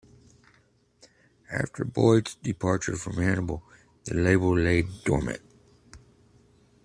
After Boyd's departure from Hannibal the label lay dormant.